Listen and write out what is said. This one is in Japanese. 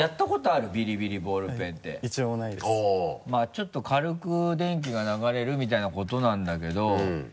ちょっと軽く電気が流れるみたいなことなんだけど。